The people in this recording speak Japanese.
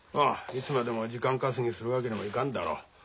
いつまでも時間稼ぎするわけにもいかんだろう。